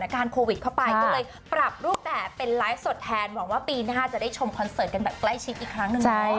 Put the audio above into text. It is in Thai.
ไม่รู้จะไปกลับยังไงเหมือนกัน